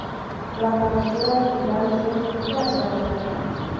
La cobertura vegetal es rica y variada.